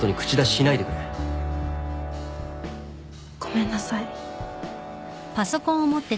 ごめんなさい。